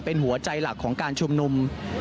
เป็นหัวใจหลักของการชุมนุม